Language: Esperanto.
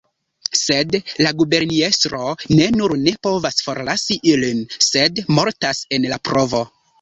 Sed la guberniestro ne nur ne povas forlasi ilin, sed mortas en la provo.